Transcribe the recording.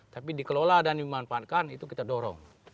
tapi dikelola dan dimanfaatkan itu kita dorong